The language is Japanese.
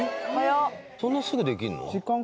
そんなすぐできんの？